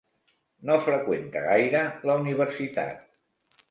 No freqüenta gaire la universitat.